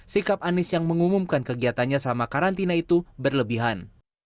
sikap anies yang mengumumkan kegiatannya selama karantina itu berlebihan